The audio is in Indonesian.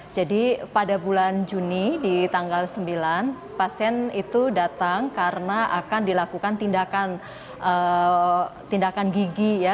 jadi pada bulan juni di tanggal sembilan pasien itu datang karena akan dilakukan tindakan gigi ya